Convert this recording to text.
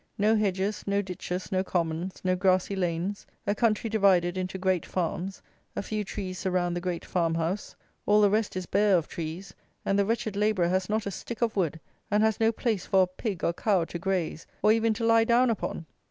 No hedges, no ditches, no commons, no grassy lanes: a country divided into great farms; a few trees surround the great farm house. All the rest is bare of trees; and the wretched labourer has not a stick of wood, and has no place for a pig or cow to graze, or even to lie down upon.